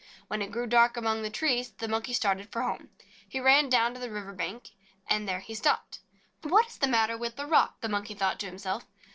When it grew dark among the trees, the Monkey started for home. He ran down to the river bank, and there he stopped. "What is the matter with the rock?" the Monkey thought to himself.